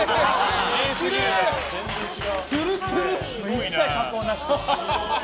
一切加工なし。